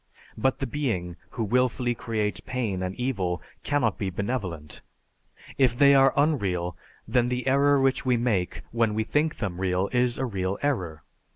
But the being who willfully creates pain and evil cannot be benevolent. If they are unreal, then the error which we make when we think them real is a real error.